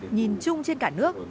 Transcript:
nhìn chung trên cả nước